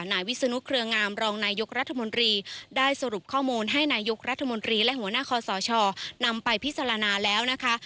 นายวิศนุเครืองามรองนายกรัฐมนตรีได้สรุปข้อมูลให้นายกรัฐมนตรีและหัวหน้าคอสชนำไปพิจารณาแล้วนะคะ